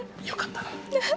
よかったな。